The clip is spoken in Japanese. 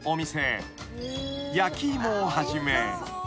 ［焼き芋をはじめ］